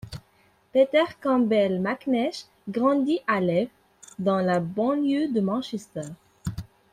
Peter Campbell McNeish grandit à Leigh, dans la banlieue de Manchester.